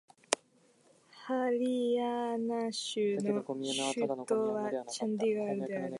ハリヤーナー州の州都はチャンディーガルである